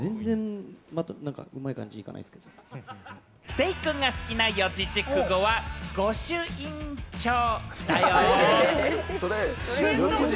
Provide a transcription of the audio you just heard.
デイくんが好きな四字熟語は、御朱印帳だよ。